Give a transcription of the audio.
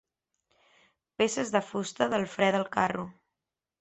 Peces de fusta del fre del carro.